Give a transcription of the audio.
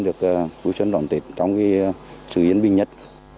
được đối xử đoàn tiệc trong sự yên bình nhất